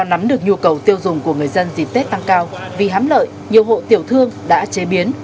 nắm được nhu cầu tiêu dùng của người dân dịp tết tăng cao vì hám lợi nhiều hộ tiểu thương đã chế biến